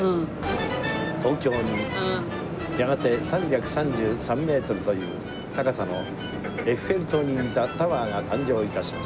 東京にやがて３３３メートルという高さのエッフェル塔に似たタワーが誕生致します。